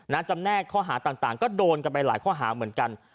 จำแนกข้อหาต่างก็โดนกันไปหลายข้อหาเหมือนกัน